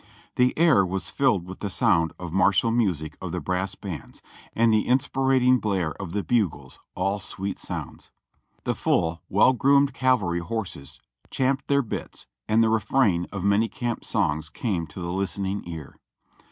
The air was filled with the sound of martial music of the brass bands, and the inspiriting blare of the bugles, all sweet sounds. The full, well groomed cavalry horses champed their bits, and the refrain of many camp songs came to the listening ear.